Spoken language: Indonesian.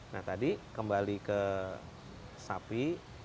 nah tadi kembali ke sapi